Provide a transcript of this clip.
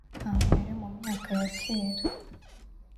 Hambere mu myaka ya cyera